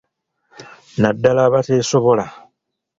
Naddala abateesobola.